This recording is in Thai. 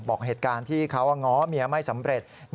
บอกเหตุการณ์ที่เขาง้อเมียไม่สำเร็จ